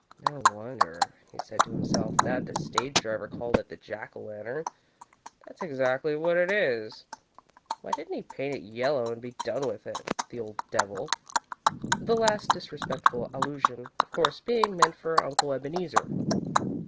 "No wonder," he said to himself "that the stage driver called it the Jack o' Lantern! That's exactly what it is! Why didn't he paint it yellow and be done with it? The old devil!" The last disrespectful allusion, of course, being meant for Uncle Ebeneezer.